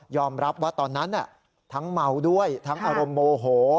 รับว่าตอนนั้นทั้งเมาด้วยทั้งอารมณ์โมโห